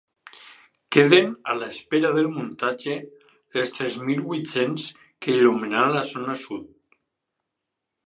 Queden a l’espera del muntatge les tres mil vuit-cents que il·luminaran la zona sud.